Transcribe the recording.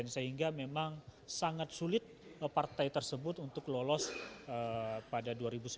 sehingga memang sangat sulit partai tersebut untuk lolos pada dua ribu dua puluh satu